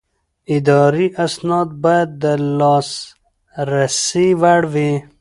اداري اسناد باید د لاسرسي وړ وي.